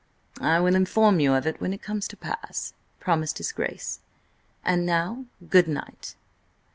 "I will inform you of it when it comes to pass," promised his Grace. "And now: good night!"